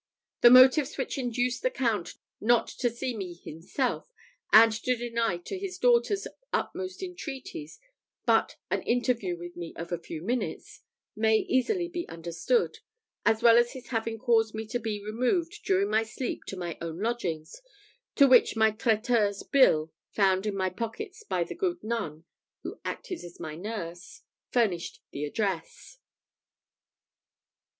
The motives which induced the Count not to see me himself, and to deny to his daughter's utmost entreaties but an interview with me of a few minutes, may easily be understood, as well as his having caused me to be removed during my sleep to my own lodgings, to which my traiteur's bill, found in my pockets by the good nun who acted as my nurse, furnished the address.